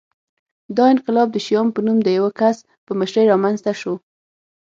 دا انقلاب د شیام په نوم د یوه کس په مشرۍ رامنځته شو